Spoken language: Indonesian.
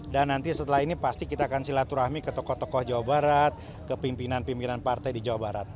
dan nanti setelah ini pasti kita akan silaturahmi ke tokoh tokoh jawa barat ke pimpinan pimpinan partai di jawa barat